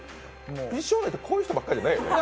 美少年ってこういう人ばっかりじゃないよね。